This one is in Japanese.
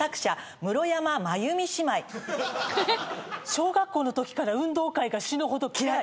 小学校のときから運動会が死ぬほど嫌い。